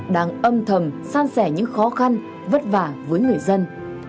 đang âm thầm san sẻ những khó khăn vất vả với người dân